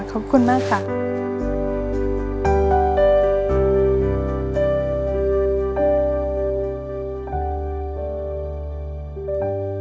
ขอบคุณค่ะขอบคุณมากค่ะ